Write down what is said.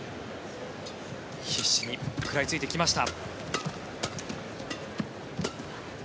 必死に食らいついてきました。